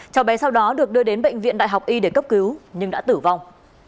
cháu bé sau đó được đưa đến bệnh viện đại học y để cấp cứu nhưng đã tử vong